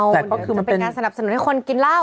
ก็คือมันเป็นการสนับสนุนให้คนกินเหล้า